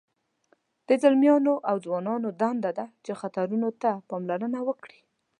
د ځلمیانو او ځوانانو دنده ده چې خطرونو ته پاملرنه وکړي.